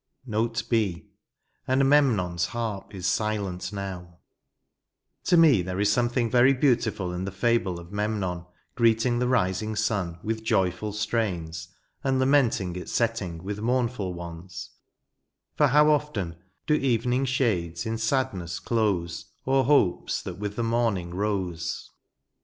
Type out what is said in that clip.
NOTB B. And MemnqiiiC% harp is silent now" To me there is something very beautiful in the fable of Memnon greeting the rising sun with joyful strains, and lamenting its setting with mournful ones, for how often Do evening shades in sadness close O'er hopes that with the morning rose.